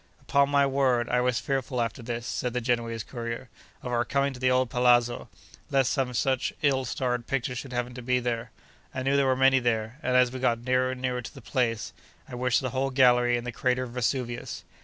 Upon my word I was fearful after this (said the Genoese courier) of our coming to the old palazzo, lest some such ill starred picture should happen to be there. I knew there were many there; and, as we got nearer and nearer to the place, I wished the whole gallery in the crater of Vesuvius.